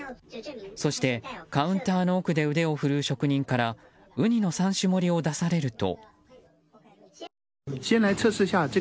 そして、カウンターの奥で腕を振るう職人からウニの三種盛りを出されると。